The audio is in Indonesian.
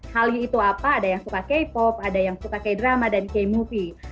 hallyu itu apa ada yang suka k pop ada yang suka k drama dan k movie